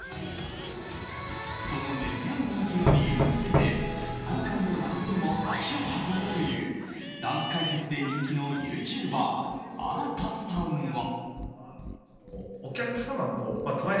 その根強い人気の理由について今回のライブにも足を運んだというダンス解説で人気のユーチューバーＡＲＡＴＡさんは。